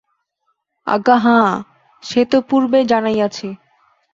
আজ্ঞা হাঁ, সে তো পূর্বেই জানাইয়াছি।